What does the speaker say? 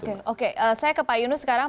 oke oke saya ke pak yunus sekarang